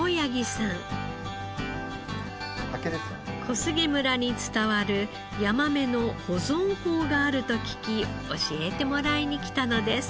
小菅村に伝わるヤマメの保存法があると聞き教えてもらいに来たのです。